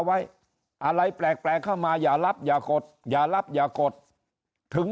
ไว้อะไรแปลกเข้ามาอย่ารับอย่ากดอย่ารับอย่ากดถึง